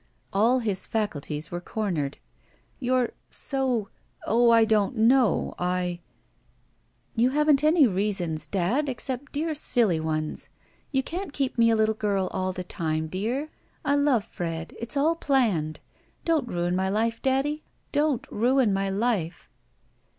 All his faculties were cornered. "You're— so— Oh, I don't know— I—" "You haven't any reasons, dad, except dear silly ones. You can't keep me a little girl all the time, dear. I love Fred. It's all planned. Don't ruin my life, daddy — don't ruin my life."